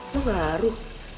lu gak aru